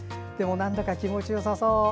なんだか気持ちよさそう。